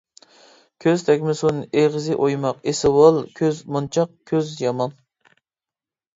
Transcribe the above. كۆز تەگمىسۇن، ئېغىزى ئويماق، ئېسىۋال كۆز مونچاق، كۆز يامان.